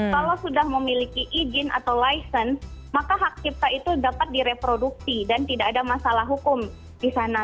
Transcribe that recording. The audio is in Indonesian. kalau sudah memiliki izin atau license maka hak cipta itu dapat direproduksi dan tidak ada masalah hukum di sana